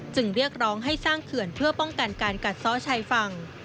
เรียกร้องให้สร้างเขื่อนเพื่อป้องกันการกัดซ้อชายฝั่ง